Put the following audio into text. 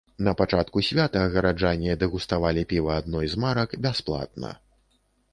На пачатку свята гараджане дэгуставалі піва адной з марак бясплатна.